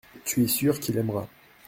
Tu es sûr qu’il aimera.